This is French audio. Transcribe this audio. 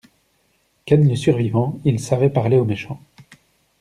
Ken le Survivant il savait parler aux méchants.